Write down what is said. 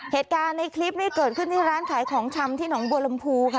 เหตุการณ์ในคลิปนี้เกิดขึ้นที่ร้านขายของชำที่หนองบัวลำพูค่ะ